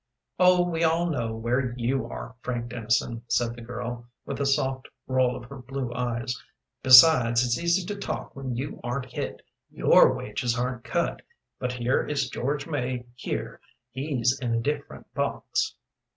"Oh, we all know where you are, Frank Dennison," said the girl, with a soft roll of her blue eyes. "Besides, it's easy to talk when you aren't hit. Your wages aren't cut. But here is George May here, he's in a different box."